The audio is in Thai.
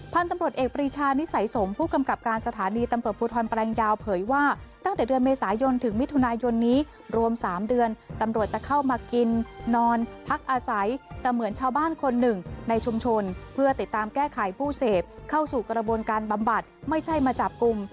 พันธุ์ตำรวจเอกปรีชานิสัยสมผู้กำกับการสถานีตำรวจภูทรแปลงยาวเผยว่าตั้งแต่เดือนเมษายนถึงมิถุนายนนี้รวม๓เดือนตำรวจจะเข้ามากินนอนพักอาศัยเสมือนชาวบ้านคนหนึ่งในชุมชนเพื่อติดตามแก้ไขผู้เสพเข้าสู่กระบวนการบำบัดไม่ใช่มาจับกลุ่ม